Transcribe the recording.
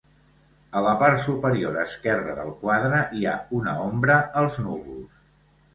A la part superior esquerra del quadre, hi ha una ombra als núvols.